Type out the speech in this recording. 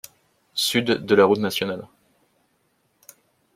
Sud de la route nationale.